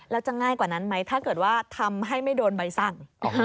แล้วจะง่ายกว่านั้นไหมถ้าเกิดว่าทำให้ไม่โดนใบสั่ง